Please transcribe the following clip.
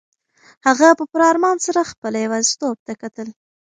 هغه په پوره ارمان سره خپله یوازیتوب ته کتل.